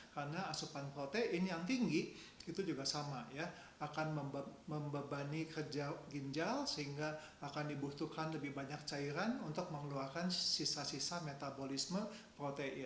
karena asupan protein yang tinggi itu juga sangat mengurangi hidup